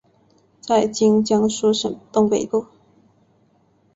在今江苏省东北部。